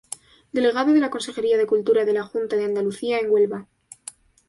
Delegado de la Consejería de Cultura de la Junta de Andalucía en Huelva.